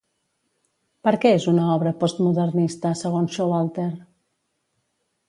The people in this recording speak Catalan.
Per què és una obra postmodernista, segons Showalter?